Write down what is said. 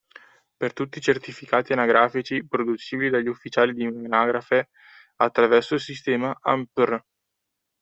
Per tutti i certificati anagrafici producibili dagli ufficiali di anagrafe attraverso il sistema ANPR